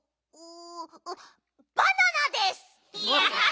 バナナです！